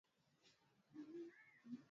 kabla ya kujua nani ni nani ambao watakao tinga